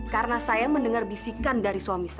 karena saya mendengar bisikan dari suami saya